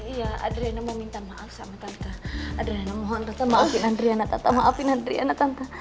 iya adriana mau minta maaf sama tante adriana mohon tante maafin adriana tante maafin adriana tante